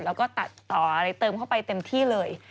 แล้วก็ตัดต่ออะไรเติมเข้าไปเต็มที่เลย